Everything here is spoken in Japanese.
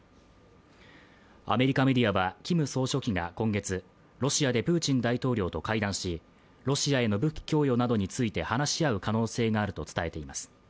アメリカメディアはキム総書記が今月、ロシアでプーチン大統領と会談しロシアへの武器供与などについて話し合う可能性があると伝えています。